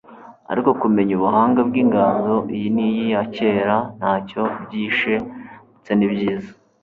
Ariko kumenya ubuhanga bw'inganzo iyi n'iyi ya kera nta cyo byishe, ndetse ni byiza.